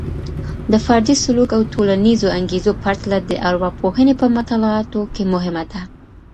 د فردي سلوک او ټولنیزو انګیزو پرتله د ارواپوهني په مطالعاتو کي مهمه ده.